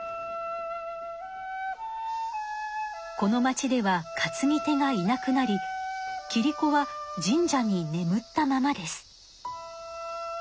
この町では担ぎ手がいなくなりキリコは神社にねむったままです。